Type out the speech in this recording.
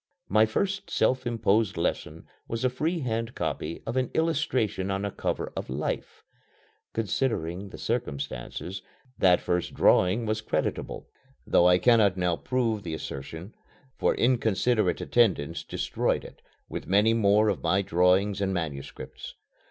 My first self imposed lesson was a free hand copy of an illustration on a cover of Life. Considering the circumstances, that first drawing was creditable, though I cannot now prove the assertion; for inconsiderate attendants destroyed it, with many more of my drawings and manuscripts.